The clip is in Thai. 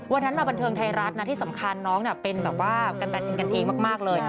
วันนั้นมาบันเทิงไทยรัฐนะที่สำคัญน้องเป็นแบบว่าแฟนเพลงกันเองมากเลย